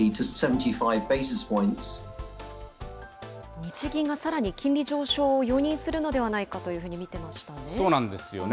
日銀がさらに金利上昇を容認するのではないかというふうに見そうなんですよね。